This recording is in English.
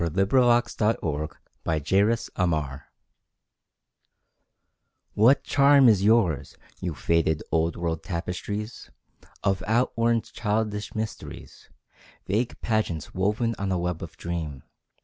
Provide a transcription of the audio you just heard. Sunshine through a Cobwebbed Window What charm is yours, you faded old world tapestries, Of outworn, childish mysteries, Vague pageants woven on a web of dream!